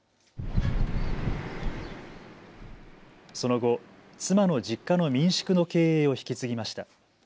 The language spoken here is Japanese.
その後、妻の実家の民宿の経営を引き継ぎました。